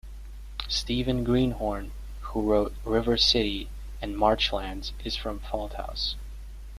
Stephen Greenhorn, who wrote "River City" and "Marchlands", is from Fauldhouse.